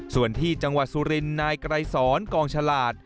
ส่วนที่จังหวัดสุรินทร์นายไกรสอนกองฉลาด